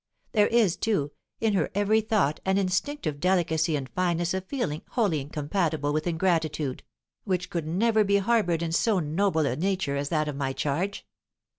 There is, too, in her every thought an instinctive delicacy and fineness of feeling wholly incompatible with ingratitude, which could never be harboured in so noble a nature as that of my charge.